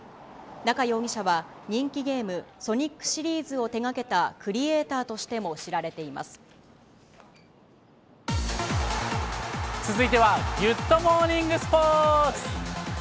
中容疑者は、人気ゲーム、ソニックシリーズを手がけたクリエータ続いては、ギュッとモーニングスポーツ。